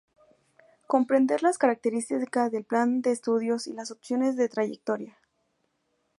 Comprender las características del plan de estudios y las opciones de trayectoria.